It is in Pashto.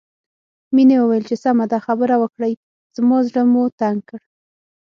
مينې وويل چې سمه خبره وکړئ زما زړه مو تنګ کړ